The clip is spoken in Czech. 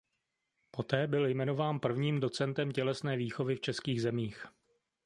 Poté byl jmenován prvním docentem tělesné výchovy v českých zemích.